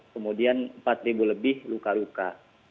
kemudian empat lebih luka luka